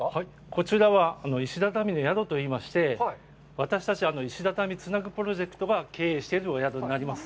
こちらは石畳の宿と言いまして、私たち、「石畳つなぐプロジェクト」が経営しているお宿になります。